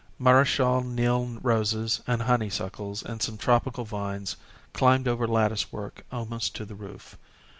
Marechal Niel roses, and honeysuckles, and some tropical vines, climbed over latticework almost to the roof.